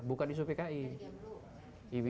bukan isu pki